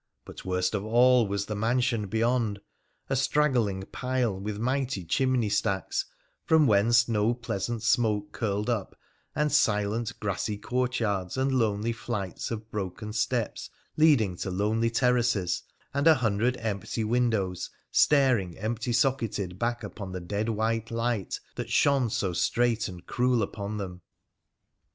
But worst of all was the mansion beyond — a straggling pile, with mighty chimney stacks, from whence no pleasant smoke curled up, and silent, grassy courtyards, and lonely flights of broken steps leading to lonely terraces, and a hundred empty windows staring empty socketed back upon the dead white light that shone so straight and cruel on them.